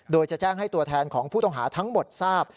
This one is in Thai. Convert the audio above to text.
โดยจะแจ้งให้ตัวแทนของผู้ต้องหาทั้งหมดทราบ